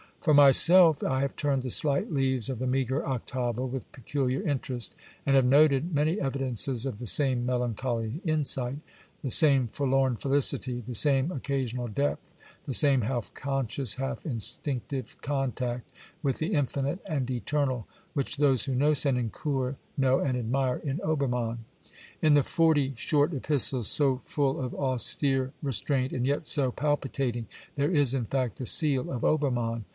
For myself I have turned the slight leaves of the meagre octavo with peculiar interest, and have noted many evidences of the same melancholy insight, the same forlorn felicity, the same occasional depth, the same half conscious, half instinctive contact with the Infinite and Eternal which those who know Senancour know and admire in Obermann. In the forty short epistles, so full of austere restraint and yet so palpitating, there is, in fact, the seal of Obermann.